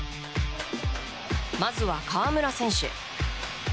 まずは、河村選手。